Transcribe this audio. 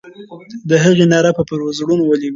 د هغې ناره به پر زړونو ولګي.